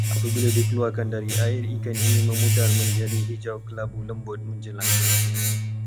Apabila dikeluarkan dari air, ikan ini memudar menjadi hijau-kelabu lembut menjelang kematian